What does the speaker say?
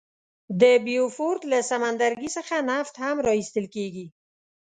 د بیوفورت له سمندرګي څخه نفت هم را ایستل کیږي.